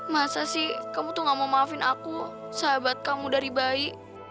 masa sih kamu tuh gak mau maafin aku sahabat kamu dari bayi